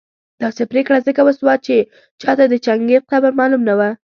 داسي پرېکړه ځکه وسوه چي چاته د چنګېز قبر معلوم نه شي